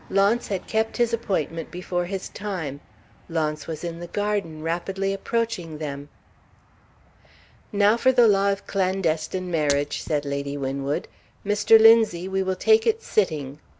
Launce had kept his appointment before his time. Launce was in the garden, rapidly approaching them. "Now for the Law of Clandestine Marriage!" said Lady Winwood. "Mr. Linzie, we will take it sitting."